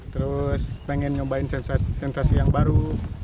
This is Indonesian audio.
terus pengen nyobain sensasi yang baru